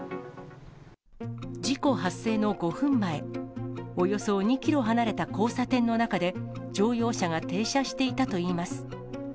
事故発生の５分前、およそ２キロ離れた交差点の中で、乗用車が停車していたといいます。